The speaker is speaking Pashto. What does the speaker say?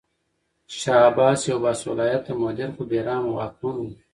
شاه عباس یو باصلاحیته مدیر خو بې رحمه واکمن و.